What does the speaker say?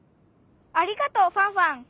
ありがとうファンファン。